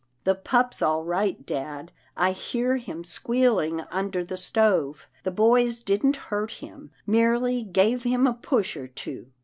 " The pup's all right, dad. I hear him squeal ing under the stove. The boys didn't hurt him — merely gave him a push or two.